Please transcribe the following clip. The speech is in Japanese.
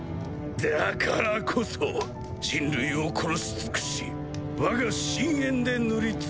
だからこそ人類を殺し尽くし我が深淵で塗り潰す。